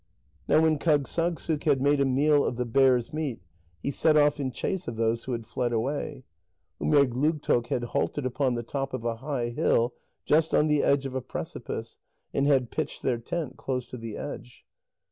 Now when Kâgssagssuk had made a meal of the bears' meat, he set off in chase of those who had fled away. Umerdlugtoq had halted upon the top of a high hill, just on the edge of a precipice, and had pitched their tent close to the edge.